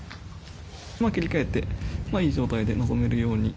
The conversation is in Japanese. まあ、切り替えて、まあ、いい状態で臨めるように。